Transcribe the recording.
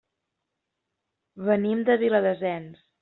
Venim de Viladasens.